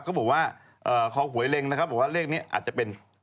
เขาบอกว่าคอหวยเล็งนะครับบอกว่าเลขนี้อาจจะเป็น